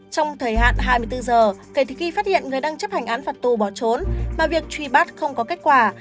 trong thời hạn hai mươi bốn giờ kể từ khi phát hiện người đang chấp hành án phạt tù bỏ trốn mà việc truy bắt không có kết quả